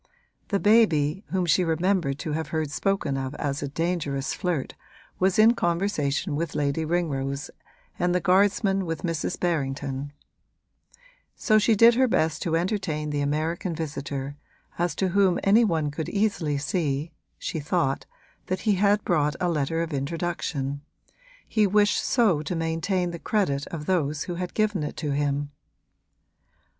The Baby, whom she remembered to have heard spoken of as a dangerous flirt, was in conversation with Lady Ringrose and the guardsman with Mrs. Berrington; so she did her best to entertain the American visitor, as to whom any one could easily see (she thought) that he had brought a letter of introduction he wished so to maintain the credit of those who had given it to him.